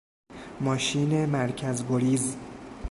ماشین مرکز گریز